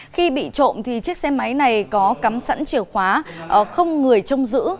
khi bị trộm thì chiếc xe máy này có cắm sẵn chìa khóa không người trông giữ